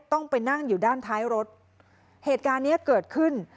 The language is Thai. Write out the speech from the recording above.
ต้องไปนั่งอยู่ด้านท้ายรถเหตุการณ์เนี้ยเกิดขึ้น